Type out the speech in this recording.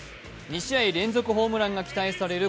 ２試合連続ホームランが期待される